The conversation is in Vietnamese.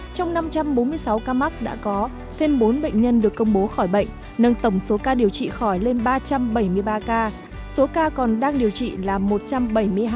trong năm trăm bốn mươi sáu ca mắc đã có thêm bốn bệnh nhân được công bố khỏi bệnh nâng tổng số ca điều trị khỏi lên ba trăm bảy mươi ba ca số ca còn đang điều trị là một trăm bảy mươi hai ca